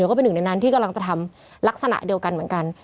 ก็เป็นหนึ่งในนั้นที่กำลังจะทำลักษณะเดียวกันเหมือนกัน